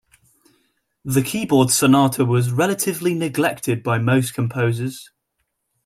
The keyboard sonata was relatively neglected by most composers.